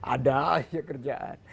ada aja kerjaan